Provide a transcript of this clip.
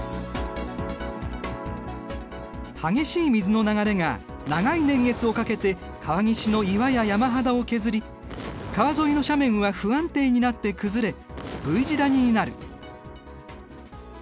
激しい水の流れが長い年月をかけて川岸の岩や山肌を削り川沿いの斜面は不安定になって崩れＶ字谷になる。